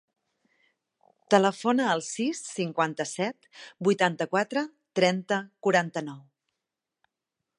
Telefona al sis, cinquanta-set, vuitanta-quatre, trenta, quaranta-nou.